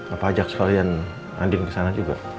apa ajak sekalian nanding ke sana juga